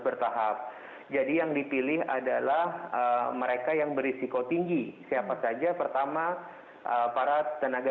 bertahap jadi yang dipilih adalah mereka yang berisiko tinggi siapa saja pertama para tenaga